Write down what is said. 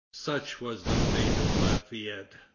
Such was the fate of Lafayette.